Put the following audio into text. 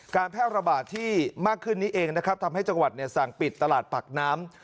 แพร่ระบาดที่มากขึ้นนี้เองนะครับทำให้จังหวัดเนี่ยสั่งปิดตลาดปากน้ำ